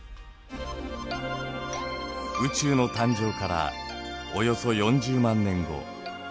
宇宙の誕生からおよそ４０万年後。